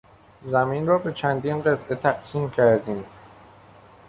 زمین را به چندین قطعه تقسیم کردیم.